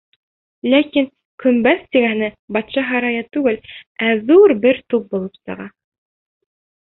Ләкин көмбәҙ тигәне батша һарайы түгел, ә ҙур бер туп булып сыға.